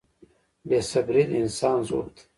• بې صبري د انسان ضعف دی.